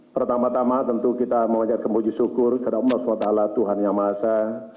pertama tama tentu kita mengucapkan puji syukur kepada umar swadala tuhan yang maha esa